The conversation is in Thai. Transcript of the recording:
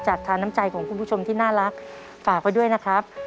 ทานน้ำใจของคุณผู้ชมที่น่ารักฝากไว้ด้วยนะครับ